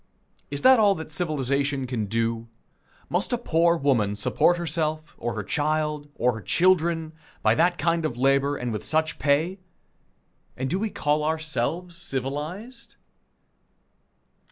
Is that all that civilization can do? Must a poor woman support herself, or her child, or her children, by that kind of labor, and with such pay and do we call ourselves civilized?